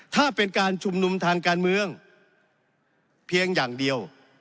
ถ้าเป็นการชุมนุมทางการเมืองเพียงอย่างเดียว